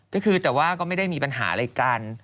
ก็คือแต่ว่าก็ไม่ได้มีปัญหาอะไรกัน